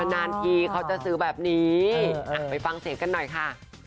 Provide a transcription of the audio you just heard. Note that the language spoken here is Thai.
นานทีเขาจะซื้อแบบนี้ไปฟังเสียงกันหน่อยค่ะ